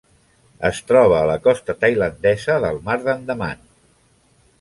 Es troba a la costa tailandesa del Mar d'Andaman.